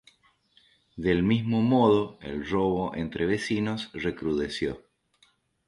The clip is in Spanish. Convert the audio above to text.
Del mismo modo el robo entre vecinos recrudeció.